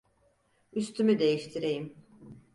Üstümü değiştireyim.